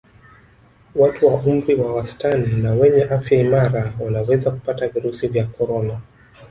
Watu wa umri wa wastani na wenye afya imara wanaweza kupata virusi vya Corona